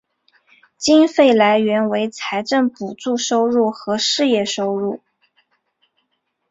经费来源为财政补助收入和事业收入。